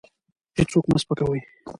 هېڅوک مه سپکوئ.